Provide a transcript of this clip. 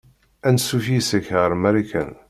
Anṣuf yes-k ɣer Marikan.